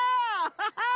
ハハハ！